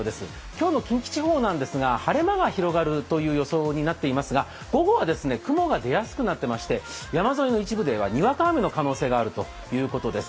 今日の近畿地方ですが、晴れ間が広がるという予想になっていますが午後は雲が出やすくなっていまして山沿いの一部ではにわか雨の可能性があるということです。